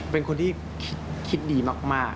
เป็นคนที่คิดดีมาก